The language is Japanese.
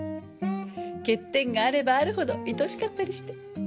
欠点があればあるほど愛しかったりして。